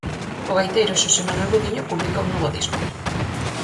O gaiteiro Xosé Manuel Budiño publica un novo disco.